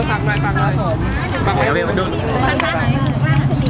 กราบนี้คืออะไรบ้าง